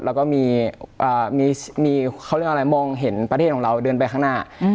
และมองเห็นประเทศของเราเดินไปข้างหน้า